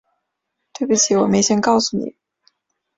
对不起，我没先告诉你